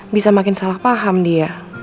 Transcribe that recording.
bisa makin salah paham dia